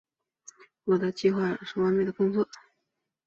我的计划是完美的工作。